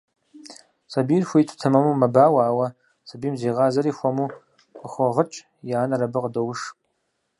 Сабийр хуиту, тэмэму мэбауэ, ауэ сабийм зегъазэри хуэму къыхогъыкӀ, и анэр абы къыдоуш.